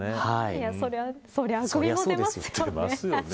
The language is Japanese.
それは、あくびも出ますよね。